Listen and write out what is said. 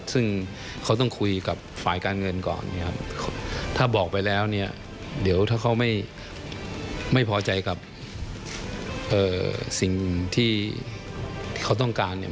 ซึ่งเขาต้องคุยกับฝ่ายการเงินก่อนเนี่ยครับถ้าบอกไปแล้วเนี่ยเดี๋ยวถ้าเขาไม่พอใจกับสิ่งที่เขาต้องการเนี่ย